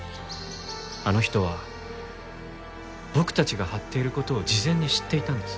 あの人は僕たちが張っている事を事前に知っていたんです。